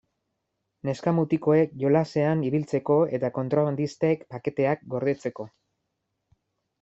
Neska-mutikoek jolasean ibiltzeko eta kontrabandistek paketeak gordetzeko.